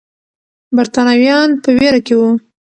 برتانويان په ویره کې وو.